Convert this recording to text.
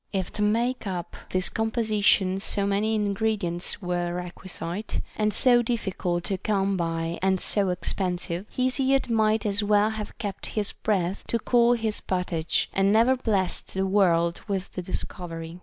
If to make up this composi tion so many ingredients were requisite, and so difficult to come by and so expensive, Hesiod might as well have kept his breath to cool his pottage, and never blessed the world with the discovery.